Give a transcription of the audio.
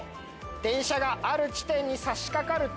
電車がある地点に差しかかると。